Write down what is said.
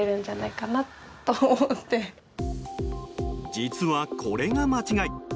実は、これが間違い。